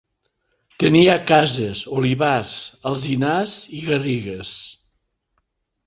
Tenia cases, olivars, alzinars i garrigues.